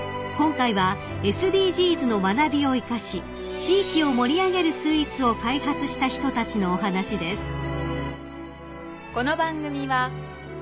今回はＳＤＧｓの学びを生かし地域を盛り上げるスイーツを開発した人たちのお話です］